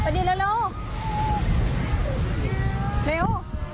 ไม่เอาเร็ว